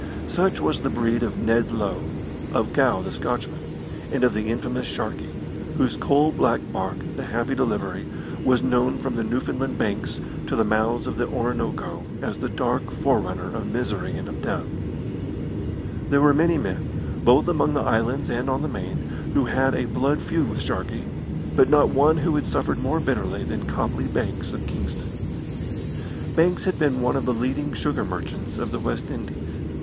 Such was the breed of Ned Low, of Gow the Scotchman, and of the infamous Sharkey, whose coal black barque, the Happy Delivery, was known from the Newfoundland Banks to the mouths of the Orinoco as the dark forerunner of misery and of death. There were many men, both among the islands and on the Main, who had a blood feud with Sharkey, but not one who had suffered more bitterly than Copley Banks, of Kingston. Banks had been one of the leading sugar merchants of the West Indies.